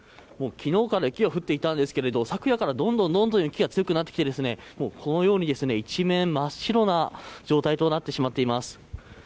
昨日から雪が降っていたのですが昨夜からどんどん雪が強くなってきてこのように一面、真っ白な状態となってしまっています。